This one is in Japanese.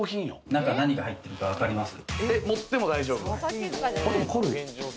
中、何が入ってるか、わかります？